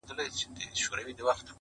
چا او چا بايللى لاس او سترگه دواړه،